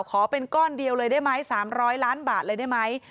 ขอเป็นก้อนเดียวเลยได้ไหม๓๐๐ล้านบาทเลยได้ไหม